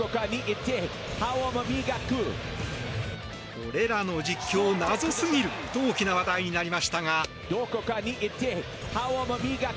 これらの実況、謎すぎる！と大きな話題になりましたが。